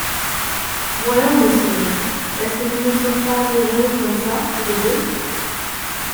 Voyons, monsieur, est-ce que nous ne sommes pas heureux comme ça, tous les deux ?